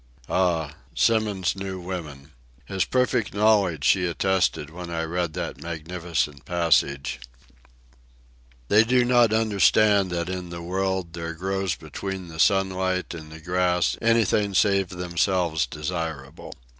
Ah, Symons knew women! His perfect knowledge she attested when I read that magnificent passage: "They do not understand that in the world There grows between the sunlight and the grass Anything save themselves desirable.